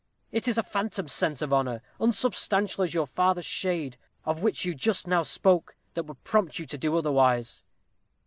It is a phantom sense of honor, unsubstantial as your father's shade, of which you just now spoke, that would prompt you to do otherwise."